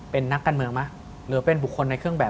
เป็นนักการเมืองหรือเป็นอาจารย์ในเขื่องแบบ